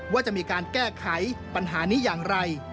ว่าจะมีการแก้ไขปัญหานี้อย่างไร